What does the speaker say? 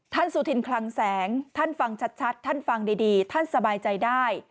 สุธินคลังแสงท่านฟังชัดท่านฟังดีท่านสบายใจได้